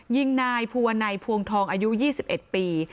ยิงนายภูวนัยพวงทองอายุ๒๑ปี